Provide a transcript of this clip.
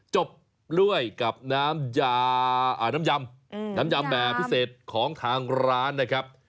จบด้วยกับน้ำยามแบบพิเศษของทางร้านนะครับ